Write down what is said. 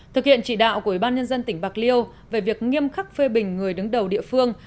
thực hiện chỉ đạo của ủy ban nhân dân tỉnh bạc liêu về việc nghiêm khắc phê bình người đứng đầu địa phương